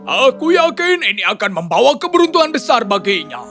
aku yakin ini akan membawa keberuntuhan besar baginya